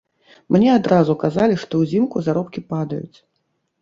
Мне адразу казалі, што ўзімку заробкі падаюць.